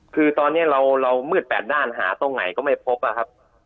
คือตอนนี้เรามืดแปดด้านหาตรงไหนก็ไม่พบอะครับ